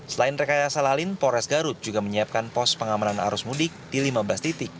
selain rekayasa lalin polres garut juga menyiapkan pos pengamanan arus mudik di lima belas titik